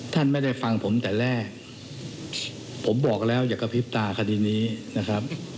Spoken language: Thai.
ท่านไม่ได้ฟังผมแต่แรกผมบอกแล้วอย่ากระพริบตาคดีนี้นะครับ